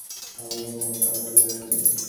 হাবলু কুমুকে আঁকড়ে ধরে রইল।